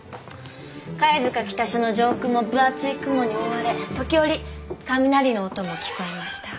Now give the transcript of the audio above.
貝塚北署の上空も分厚い雲に覆われ時折雷の音も聞こえました。